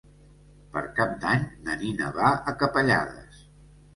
Per Cap d'Any na Nina va a Capellades.